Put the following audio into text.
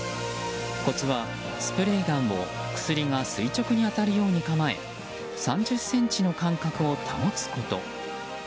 コツは、スプレーガンを薬が垂直に当たるように構え３０ｃｍの間隔を保つこと。